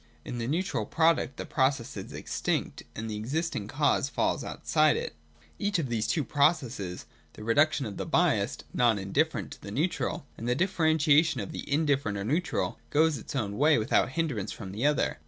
In the neutral product the process is extinct, and the existing cause falls outside it. 203.] Each of these two processes, the reduction of the biassed (not indifferent) to the neutral, and the differentiation of the indifferent or neutral, goes its own way without hindrance from the other.